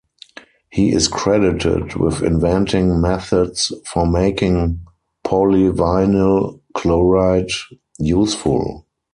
He is credited with inventing methods for making polyvinyl chloride useful.